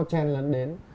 tren lấn đến